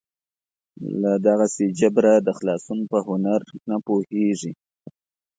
له دغسې جبره د خلاصون په هنر نه پوهېږي.